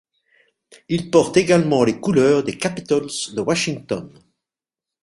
Il porte également les couleurs des Capitals de Washington.